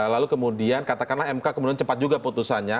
lalu kemudian katakanlah mk kemudian cepat juga putusannya